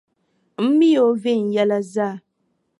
M mi o viɛnyɛla zaa.